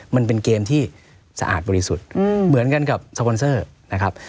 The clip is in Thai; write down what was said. มันเป็นเกมที่สะอาดบริสุทธิ์เหมือนกันกับสปอนเซอร์นะครับ